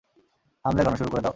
থামলে কেন, শুরু করে দাও।